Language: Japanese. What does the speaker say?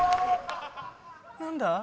何だ？